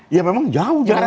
ya memang jauh jaraknya